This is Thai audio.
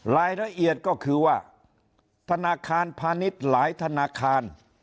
รายละเอียดก็คือว่าธนาคารพาณิชย์หลายธนาคาร